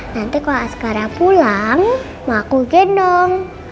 nanti kalau askara pulang maku gendong